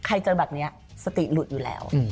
เจอแบบนี้สติหลุดอยู่แล้ว